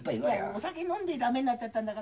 お酒飲んで駄目になったんだから。